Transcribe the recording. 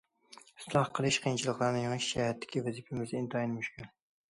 ئىسلاھ قىلىش، قىيىنچىلىقلارنى يېڭىش جەھەتتىكى ۋەزىپىمىز ئىنتايىن مۈشكۈل.